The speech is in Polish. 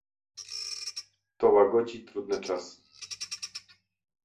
To łagodzi trudne czasy